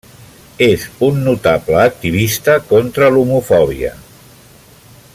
És un notable activista contra l'homofòbia.